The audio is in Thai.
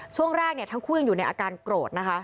ช่วงแรกทั้งคู่ยังอยู่ในอาการโกรธนะคะ